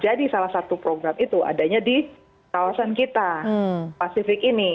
jadi salah satu program itu adanya di kawasan kita pasifik ini